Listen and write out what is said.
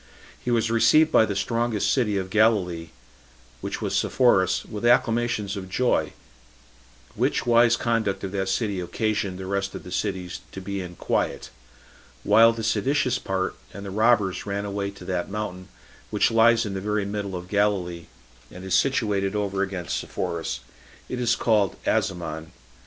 He was received by the strongest city of Galilee, which was Sepphoris, with acclamations of joy; which wise conduct of that city occasioned the rest of the cities to be in quiet; while the seditious part and the robbers ran away to that mountain which lies in the very middle of Galilee, and is situated over against Sepphoris; it is called Asamon.